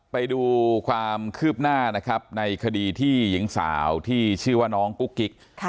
ไปดูความคืบหน้านะครับในคดีที่หญิงสาวที่ชื่อว่าน้องกุ๊กกิ๊ก